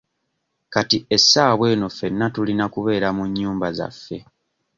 Kati essaawa eno ffena tulina kubeera mu nnyumba zaffe.